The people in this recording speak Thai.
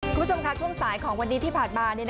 คุณผู้ชมค่ะช่วงสายของวันนี้ที่ผ่านมา